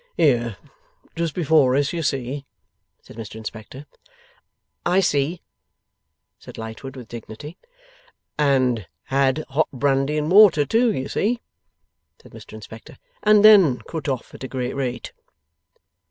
'Here just before us, you see,' said Mr Inspector. 'I see,' said Lightwood, with dignity. 'And had hot brandy and water too, you see,' said Mr Inspector, 'and then cut off at a great rate.